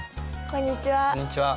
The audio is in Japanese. こんにちは。